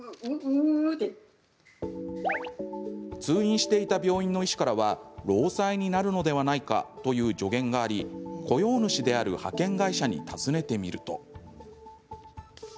通院していた病院の医師からは「労災になるのではないか？」という助言があり雇用主である派遣会社に尋ねてみると。